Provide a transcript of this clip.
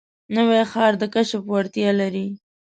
نوی ښار د کشف وړتیا لري